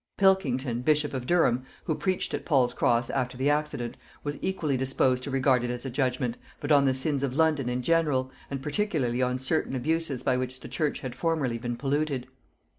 Pilkington bishop of Durham, who preached at Paul's cross after the accident, was equally disposed to regard it as a judgement, but on the sins of London in general, and particularly on certain abuses by which the church had formerly been polluted.